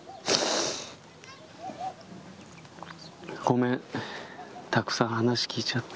ごめん、たくさん話聞いちゃって。